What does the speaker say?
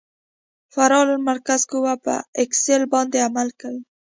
فرار المرکز قوه په اکسل باندې عمل کوي